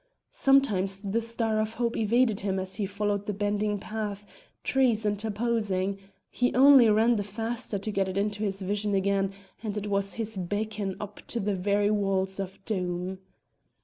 Sometimes the star of hope evaded him as he followed the bending path, trees interposing; he only ran the faster to get it into his vision again, and it was his beacon up to the very walls of Doom.